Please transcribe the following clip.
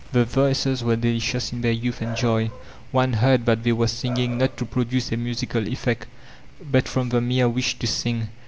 The voices were delicious in their youth and joy ; one heard that they were singing not to produce a musical effect, but from the mere wish to sing.